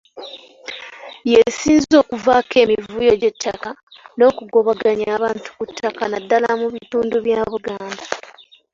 Y'esinze okuvaako emivuyo gy’ettaka n’okugobaganya abantu ku ttaka naddala mu bitundu bya Buganda.